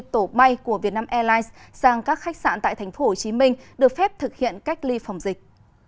tổ bay của vietnam airlines sang các khách sạn tại tp hcm được phép thực hiện cách ly phòng dịch